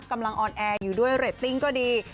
ออนแอร์อยู่ด้วยเรตติ้งก็ดี